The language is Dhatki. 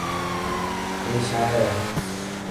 اي شاعر هي.